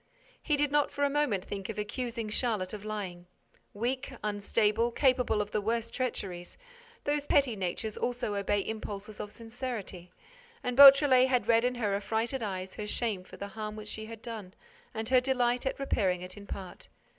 He did not for a moment think of accusing Charlotte of lying. Weak, unstable, capable of the worst treacheries, those petty natures also obey impulses of sincerity; and Beautrelet had read in her affrighted eyes her shame for the harm which she had done and her delight at repairing it in part.